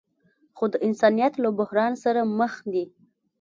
خو د انسانیت له بحران سره مخ دي.